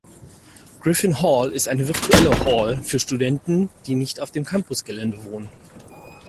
Griffin Hall ist eine virtuelle "Hall" für Studenten, die nicht auf dem Campusgelände wohnen.